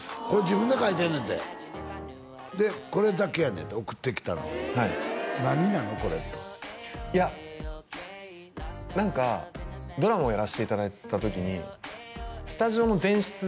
これ自分で描いてんねんてでこれだけやねんて送ってきたのは何なのこれ？といや何かドラマをやらしていただいた時にスタジオの前室